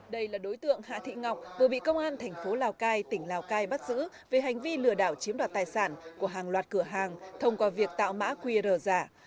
đây là đối tượng hạ thị ngọc vừa bị công an thành phố lào cai tỉnh lào cai bắt giữ về hành vi lừa đảo chiếm đoạt tài sản của hàng loạt cửa hàng thông qua việc tạo mã qr giả